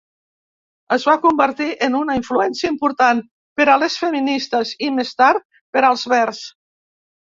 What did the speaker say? Es va convertir en una influència important per a les feministes, i més tard per als Verds.